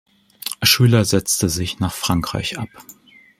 Schüler setzte sich nach Frankreich ab.